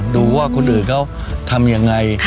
ดูว่าคนอื่นเขาทำยังไง